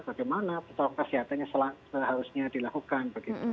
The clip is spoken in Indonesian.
bagaimana pertolongan kesehatan yang seharusnya dilakukan